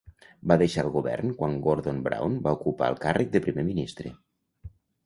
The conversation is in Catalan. Va deixar el Govern quan Gordon Brown va ocupar el càrrec de primer ministre.